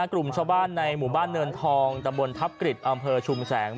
กลุ่มชาวบ้านในหมู่บ้านเนินทองตำบลทัพกฤษอำเภอชุมแสง